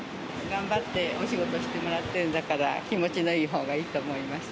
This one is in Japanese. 頑張ってお仕事してもらってるんだから、気持ちのいいほうがいい